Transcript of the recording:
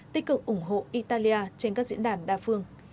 tích cực ủng hộ italia trên các diễn đàn đa phương